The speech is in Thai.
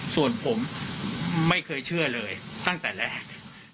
ส่วนผมไม่เคยเชื่อเลยตั้งแต่แรก